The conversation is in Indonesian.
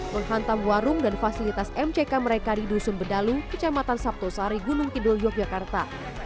menghantam warung dan fasilitas mck mereka di dusun bedalu kecamatan sabtosari gunung kidul yogyakarta